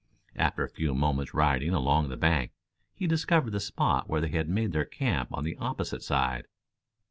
After a few moments' riding along the bank he discovered the spot where they had made their camp on the opposite side.